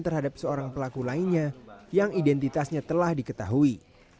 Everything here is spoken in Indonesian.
terhadap seorang pelaku lainnya yang identitasnya telah diketahui